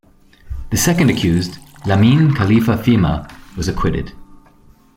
The second accused, Lamin Khalifah Fhimah, was acquitted.